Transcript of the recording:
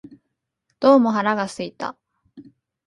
どうも腹が空いた